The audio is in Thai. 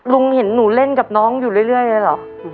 ลุงเห็นหนูเล่นกับน้องอยู่เรื่อยเรื่อยเลยเหรอครับ